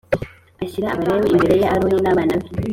Ushyire Abalewi imbere ya Aroni n’ abana be